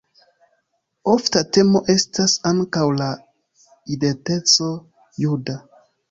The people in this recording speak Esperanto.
Ofta temo estas ankaŭ la identeco juda.